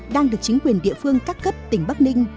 đang được chính quyền địa phương các cấp tỉnh bắc ninh